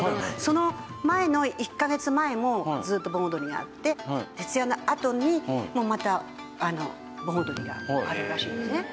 その前の１カ月前もずっと盆踊りがあって徹夜のあとにまた盆踊りがあるらしいんですね。